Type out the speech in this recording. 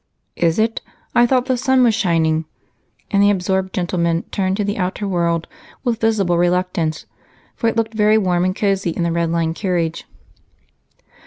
"Is it? I thought the sun was shining." And the absorbed gentleman turned to the outer world with visible reluctance, for it looked very warm and cozy in the red lined carriage.